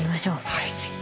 はい。